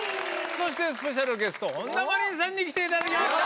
そしてスペシャルゲスト本田真凜さんに来ていただきました！